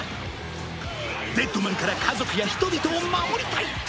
デッドマンから家族や人々を守りたい！